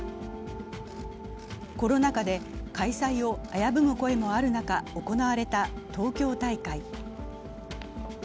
コロナ禍で開催を危ぶむ声もある中、行われた東京大会。